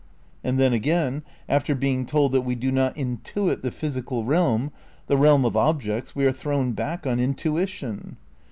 And then, again, after being told that we do not intuit the "physical realm," the realm of ob jects, we are thrown back on intuition.